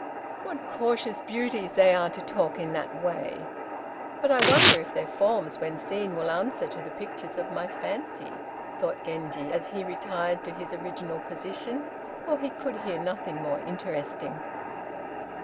"What cautious beauties they are to talk in that way! But I wonder if their forms when seen will answer to the pictures of my fancy," thought Genji, as he retired to his original position, for he could hear nothing more interesting.